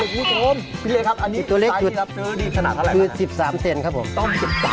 ถู๊ยตัวเลือดล่ะคุณชอบ